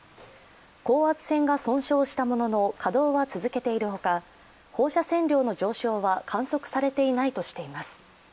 高圧線が損傷したものの稼働は続けているほか放射線量の上昇は観測されていないとしています。